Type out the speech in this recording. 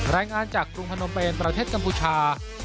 รายงานจากกรุงพนมเป็นประเทศกัมพูชา